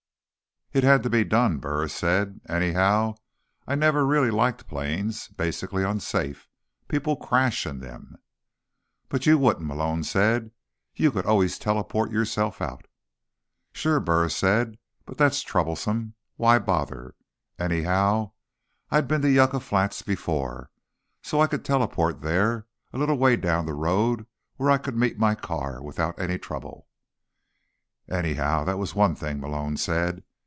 "It had to be done," Burris said. "Anyhow, I've never really liked planes. Basically unsafe. People crash in them." "But you wouldn't," Malone said. "You could always teleport yourself out." "Sure," Burris said. "But that's troublesome. Why bother? Anyhow, I'd been to Yucca Flats before, so I could teleport there—a little way down the road, where I could meet my car—without any trouble." "Anyhow, that was one thing," Malone said.